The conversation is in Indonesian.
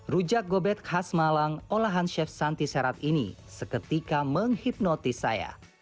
rujak gobet khas malang olahan chef santi serat ini seketika menghipnotis saya